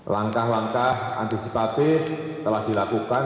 langkah langkah antisipatif telah dilakukan